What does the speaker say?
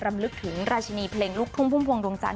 รำลึกถึงราชินีเพลงลูกทุ่งพุ่มพวงดวงจันท